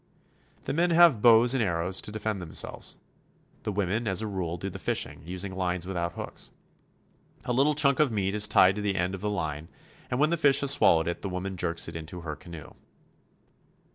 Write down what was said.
The men have bows and arrows to defend themselves. The women, as a rule, do the fishing, using lines without Alacalufes. hooks. A little chunk of meat is tied to the end of the line, and when the fish has swallowed it the woman jerks it into her canoe.